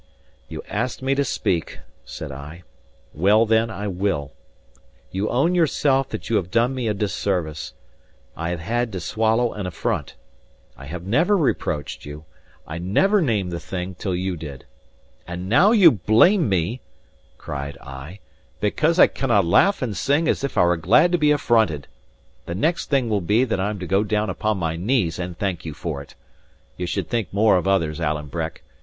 "You asked me to speak," said I. "Well, then, I will. You own yourself that you have done me a disservice; I have had to swallow an affront: I have never reproached you, I never named the thing till you did. And now you blame me," cried I, "because I cannae laugh and sing as if I was glad to be affronted. The next thing will be that I'm to go down upon my knees and thank you for it! Ye should think more of others, Alan Breck.